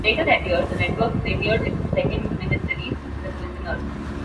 Later that year, the network premiered its second miniseries, "The Prisoner".